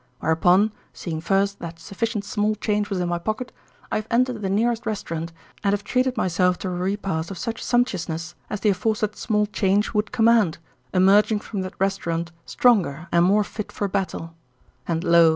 Whereupon, seeing first that sufficient small change was in my pocket, I have entered the nearest restaurant, and have treated myself to a repast of such sumptuousness as the aforesaid small change would command, emerging from that restaurant stronger and more fit for battle. And lo!